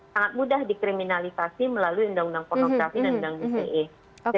sangat mudah dikriminalisasi melalui undang undang pornografi dan undang ite